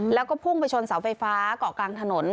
แล้วก็พุ่งไปชนเสาไฟฟ้าเกาะกลางถนน